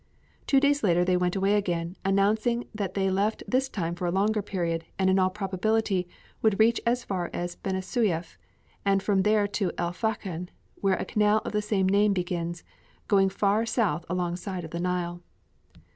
Two days later they went away again, announcing that they left this time for a longer period and in all probability would reach as far as Benisueif, and from there to El Fachn, where a canal of the same name begins, going far south alongside of the Nile.